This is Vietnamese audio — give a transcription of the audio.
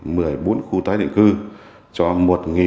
nguyên nhân của việc chậm trễ này